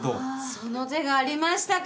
その手がありましたか！